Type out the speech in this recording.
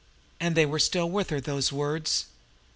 And they were still with her, those words.